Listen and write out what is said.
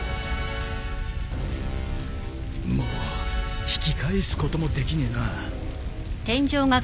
もう引き返すこともできねえな。